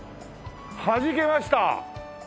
「はじけました」！